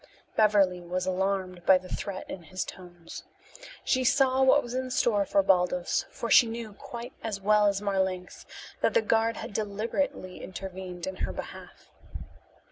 Beverly was alarmed by the threat in his tones. She saw what was in store for Baldos, for she knew quite as well as Marlanx that the guard had deliberately intervened in her behalf.